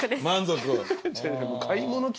満足？